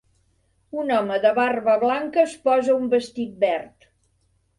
Un home de barba blanca es posa un vestit verd